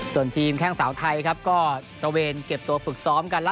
ส่วนทีมแค่งสาวไทยก็เก็บตัวฝึกซ้อมกันล่ะ